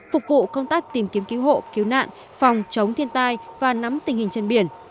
phục vụ công tác tìm kiếm cứu hộ cứu nạn phòng chống thiên tai và nắm tình hình trên biển